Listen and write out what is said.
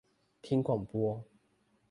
聽廣播